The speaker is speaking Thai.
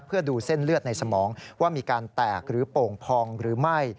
เพื่อดูเส้นเลือดในสมองว่ามีการแตกหรือโป่งพองหรือไม่